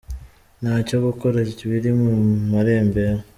Ntacyo gukora biri mu marembera.